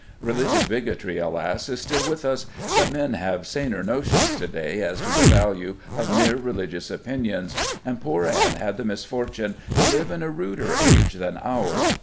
Religious bigotry, alas, is still with us, but men have saner notions to day as to the value of mere religious opinions, and poor Anne had the misfortune to live in a ruder age than ours.